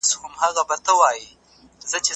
خدای زموږ په هر حال کي زموږ سره دی.